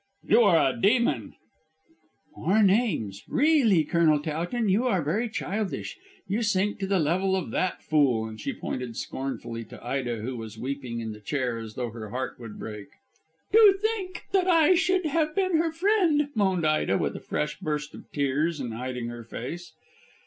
"You are a demon." "More names! Really, Colonel Towton, you are very childish. You sink to the level of that fool," and she pointed scornfully to Ida, who was weeping in the chair as though her heart would break. "To think that I should have been her friend," moaned Ida with a fresh burst of tears and hiding her face.